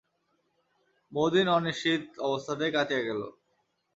বহুদিন অনিশ্চিত অবস্থাতেই কাটিয়া গেল।